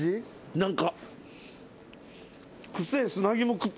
何か。